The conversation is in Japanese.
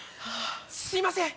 すいません